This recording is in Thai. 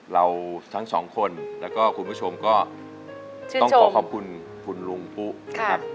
เราทั้งสองคนแล้วก็คุณผู้ชมก็ต้องขอขอบคุณคุณลุงปุ๊นะครับ